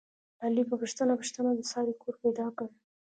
علي په پوښته پوښتنه د سارې کور پیدا کړ.